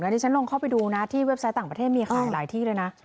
ที่ฉันลงเข้าไปดูนะที่เว็บไซต์ต่างประเทศมีขายหลายที่เลยนะ